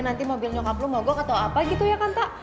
nanti mobil nyokap lo mau gue katau apa gitu ya kanta